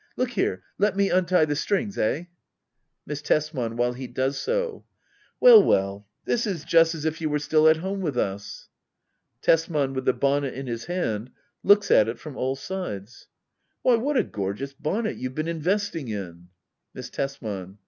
Look here ! Let me untie the strings — eh ? Miss Tesman. [While he does so.'\ Well well— this is just as if you were still at home with us. Tesman. [With the bonnet in his hand, looks at it from all sides,"] Why, what a gorgeous bonnet you've been investing in ! Miss Tesman.